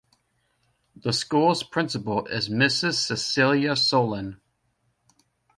The School's Principal is Mrs Cecilia Solan.